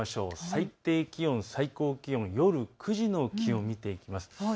最低気温、最高気温、夜９時の気温を見ていきます。